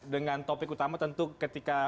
dengan topik utama tentu ketika